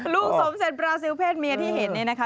ลูกสมเสร็จบราซิลเพศเมียที่เห็นเนี่ยนะคะ